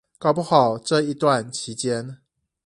搞不好這一段期間